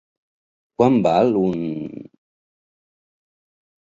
Quant val un...?